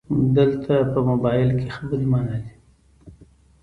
📵 دلته په مبایل کې خبري منع دي